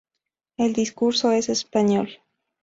El discurso en español.